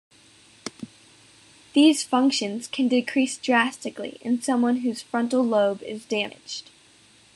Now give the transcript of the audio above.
These functions can decrease drastically in someone whose frontal lobe is damaged.